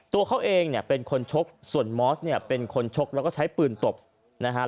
ตัวเขาเองเนี่ยเป็นคนชกส่วนมอสเนี่ยเป็นคนชกแล้วก็ใช้ปืนตบนะฮะ